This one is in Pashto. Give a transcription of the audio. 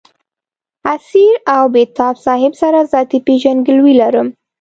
اسیر او بېتاب صاحب سره ذاتي پېژندګلوي لرم.